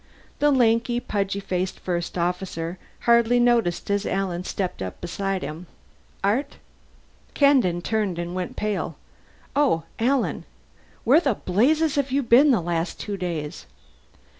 The lanky, pudgy faced First Officer hardly noticed as Alan stepped up beside him. "Art?" Kandin turned and went pale. "Oh Alan. Where in blazes have you been the last two days?"